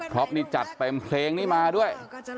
เพราะนี่จัดเต็มเพลงนี้มาด้วย